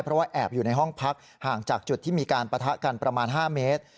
เพราะว่าแอบอยู่ในห้องพักห่างจากจุดที่มีการปะทะกันประมาณ๕เมตร